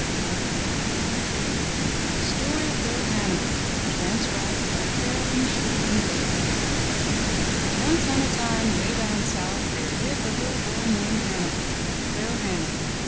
137 M Y BOOK HOUSE THE STORY OF LI'L' HANNIBAL* Transcribed by Carolyn Sherwin Bailey Once on a time, 'way down South, there lived a little boy named Hannibal, Li^V Hannibal.